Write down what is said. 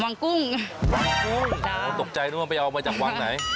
วางพรุ่งธนานะครับตกใจไม่ออกมาจากวางไหน